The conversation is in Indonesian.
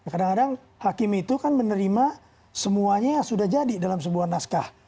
kadang kadang hakim itu kan menerima semuanya sudah jadi dalam sebuah naskah